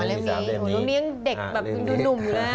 อ๋อเล่มนี้ตรงนี้ยังเด็กแบบดุ่มอยู่แล้วฮะ